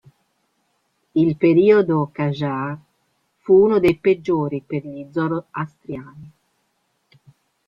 Il periodo Qajar fu uno dei peggiori per gli zoroastriani.